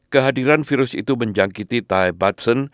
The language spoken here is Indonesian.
kehadiran virus itu menjangkiti ty budson